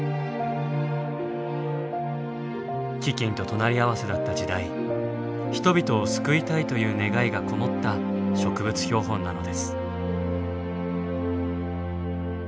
飢饉と隣り合わせだった時代人々を救いたいという願いがこもった植物標本なのです。